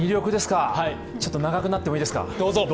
ちょっと長くなってもいいですか？